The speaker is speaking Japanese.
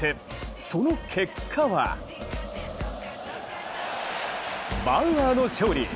その結果はバウアーの勝利。